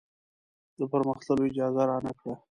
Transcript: د پر مخ تللو اجازه رانه کړه.